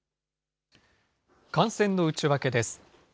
感染の内訳です。